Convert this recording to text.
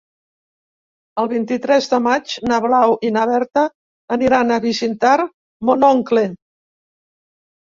El vint-i-tres de maig na Blau i na Berta aniran a visitar mon oncle.